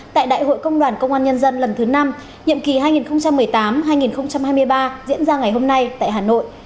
tại đại hội công đoàn công an nhân dân lần thứ năm nhiệm kỳ hai nghìn một mươi tám hai nghìn hai mươi ba diễn ra ngày hôm nay tại hà nội